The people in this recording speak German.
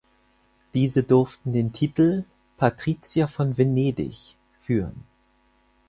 Diese durften den Titel "„Patrizier von Venedig“" führen.